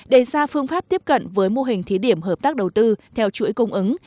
đề ra phương pháp tiếp cận với mô hình thí điểm hợp tác đầu tư theo chuỗi cung ứng